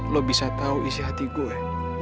lo bisa tahu isi hati gue